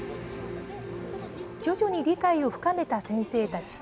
徐々に理解を深めた先生たち。